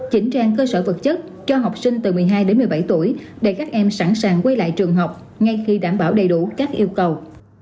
chỉnh trang cơ sở vật chất cho học sinh từ một mươi hai đến một mươi bảy tuổi để các em sẵn sàng quay lại trường học ngay khi đảm bảo đầy đủ các yêu cầu